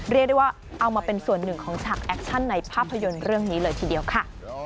เรียกได้ว่าเอามาเป็นส่วนหนึ่งของฉากแอคชั่นในภาพยนตร์เรื่องนี้เลยทีเดียวค่ะ